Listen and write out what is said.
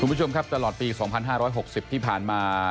คุณผู้ชมครับตลอดปี๒๕๖๐ที่ผ่านมา